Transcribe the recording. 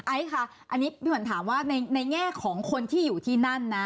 ค่ะอันนี้พี่ขวัญถามว่าในแง่ของคนที่อยู่ที่นั่นนะ